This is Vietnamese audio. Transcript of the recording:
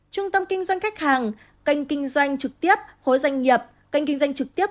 trung tâm kinh doanh khách hàng cành kinh doanh trực tiếp khối doanh nghiệp cành kinh doanh trực tiếp